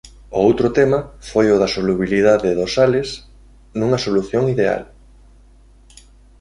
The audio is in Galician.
O outro tema foi o da solubilidade dos sales nunha solución ideal.